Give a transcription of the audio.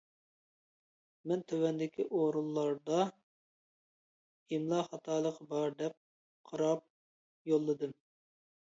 مەن تۆۋەندىكى ئورۇنلاردا ئىملا خاتالىقى بار دەپ قاراپ يوللىدىم.